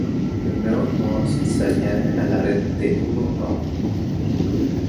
Los nuevos nodos se añaden a la red de uno a uno.